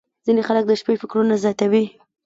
• ځینې خلک د شپې فکرونه زیاتوي.